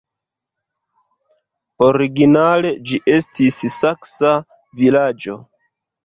Originale ĝi estis saksa vilaĝo.